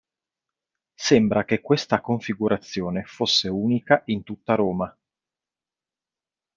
Sembra che questa configurazione fosse unica in tutta Roma.